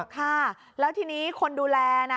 ค่ะแล้วทีนี้คนดูแลนะ